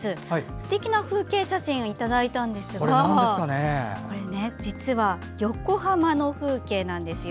すてきな風景写真をいただいたんですが実は、横浜の風景なんですよ。